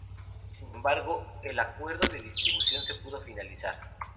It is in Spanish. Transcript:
Sin embargo, el acuerdo de distribución se pudo finalizar.